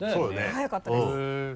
速かったです。